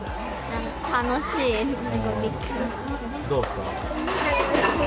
どうですか？